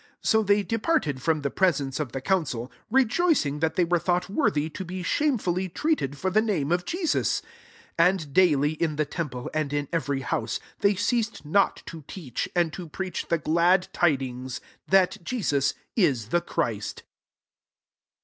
41 So they departed from the presence of the council ; rejoicing that they were thought worthy to be shamefully treated for the name ofJeMu; 42 And daily, in the temple, and in every house, they ceased not to teach, and to preach the glad tidings^ that Jesus 19 the Christ.